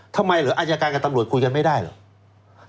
ทำไมเหรออายการกับตำรวจคุยกันไม่ได้เหรอ